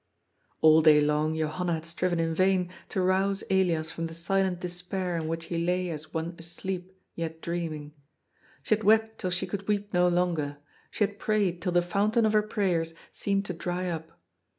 All day long Johanna had striven in vain to rouse Elias from the silent despair in which he lay as one asleep yet dreaming. She had wept till she could weep no longer ; she had prayed till the fountain of her prayers seemed to dry up.